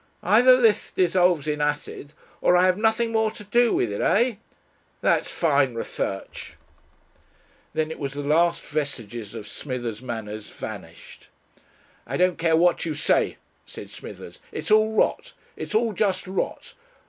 Either this dissolves in acid or I have nothing more to do with it eh? That's fine research!" Then it was the last vestiges of Smithers' manners vanished. "I don't care what you say," said Smithers. "It's all rot it's all just rot.